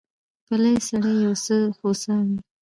پلی سړی یو څه هوسا وي.